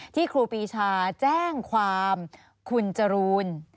ครูปีชาแจ้งความคุณจรูน